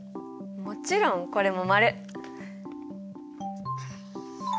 もちろんこれも○！